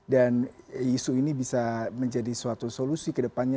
dan isu ini bisa menjadi suatu solusi kedepannya